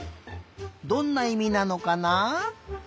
どんないみなのかな？